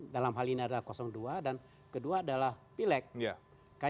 dalam hal ini adalah dua dan kedua adalah pileg